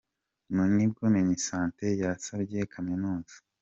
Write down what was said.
Mu nibwo Minisante yasabye Kaminuza.